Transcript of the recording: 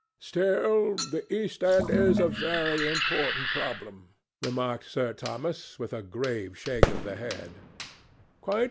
"Still, the East End is a very important problem," remarked Sir Thomas with a grave shake of the head.